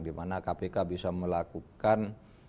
di mana kpk bisa melakukan